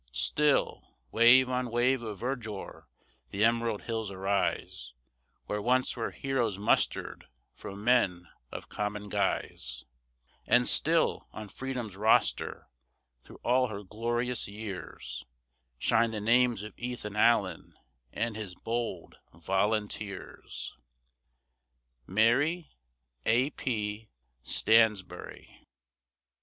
Still, wave on wave of verdure, the emerald hills arise, Where once were heroes mustered from men of common guise, And still, on Freedom's roster, through all her glorious years, Shine the names of Ethan Allen and his bold volunteers! MARY A. P. STANSBURY.